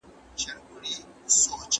نظریات د وخت او ځای په بدلیدو سره بدلیږي.